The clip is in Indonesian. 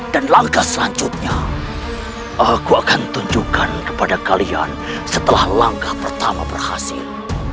dan langkah selanjutnya aku akan tunjukkan kepada kalian setelah langkah pertama berhasil